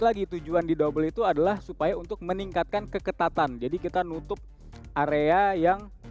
lagi tujuan di double itu adalah supaya untuk meningkatkan keketatan jadi kita nutup area yang